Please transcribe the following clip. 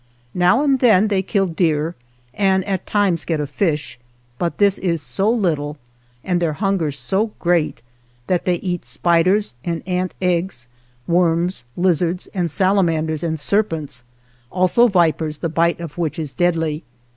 Now and then they kill deer and at times get a fish, but this is so little and their hunger so great that they eat spiders and ant eggs, 29 worms, lizards and ^The pupas. 89 THE JOURNEY OF salamanders and serpents, also vipers the bite of which is deadly.